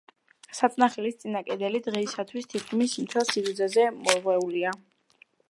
საწნახელის წინა კედელი დღეისათვის თითქმის მთელ სიგრძეზე მორღვეულია.